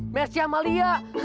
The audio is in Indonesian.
mercy sama lia